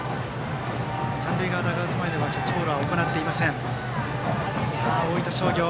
三塁側ダグアウト前ではキャッチボールは行っていません。